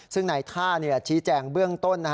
ซึ่งนายท่าชี้แจงเบื้องต้น